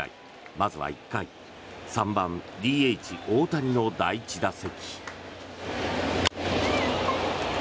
まずは１回３番ＤＨ、大谷の第１打席。